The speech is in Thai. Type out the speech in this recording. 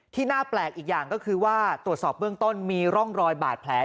น่าแปลกอีกอย่างก็คือว่าตรวจสอบเบื้องต้นมีร่องรอยบาดแผล